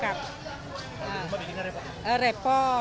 kalau di rumah bikinnya repot